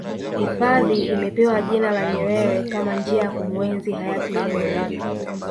hifadhi imepewa jina la nyerere Kama njia ya kumuenzi hayati nyerere